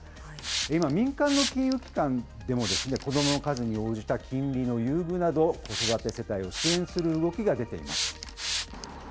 今、民間の金融機関でも、子どもの数に応じた金利の優遇など、子育て世帯を支援する動きが出ています。